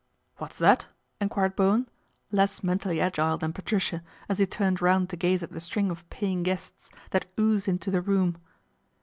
" What's that ?" enquired Bowen, less mentally agile than Patricia, as he turned round to gaze at the string of paying guests that oozed into the room.